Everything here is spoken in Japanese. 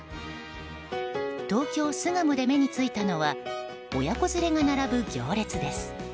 東京・巣鴨で目に付いたのは親子連れが並ぶ行列です。